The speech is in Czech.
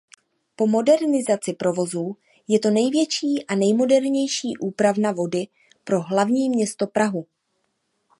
Po modernizaci provozů je to největší a nejmodernější úpravna vody pro hlavní město Prahu.